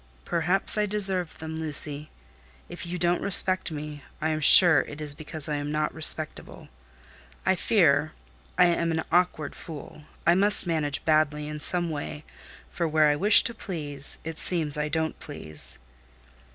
"Perhaps I deserved them, Lucy. If you don't respect me, I am sure it is because I am not respectable. I fear, I am an awkward fool: I must manage badly in some way, for where I wish to please, it seems I don't please."